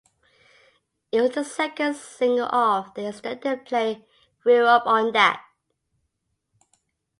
It was the second single off their extended play "Grew Up On That".